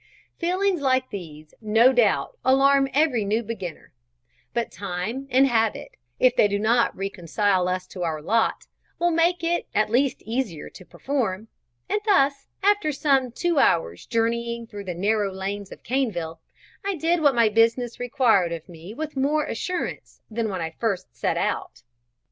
Feelings like these no doubt alarm every new beginner; but time and habit, if they do not reconcile us to our lot, will make it at least easier to perform, and thus, after some two hours' journeying through the narrow lanes of Caneville, I did what my business required of me with more assurance than when I first set out.